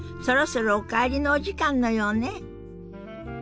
そろそろお帰りのお時間のようね。